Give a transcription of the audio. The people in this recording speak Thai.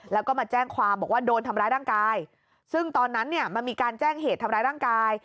แล้วก็มาแจ้งความบอกว่าโดนทำร้ายร่างกายซึ่งตอนนั้นเนี่ยมันมีการแจ้งเหตุทำร้ายร่างกาย